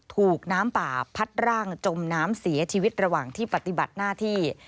ถูกน้ำป่าพัดร่างจมน้ำเสียชีวิตระหว่างที่ปฏิบัติหน้าที่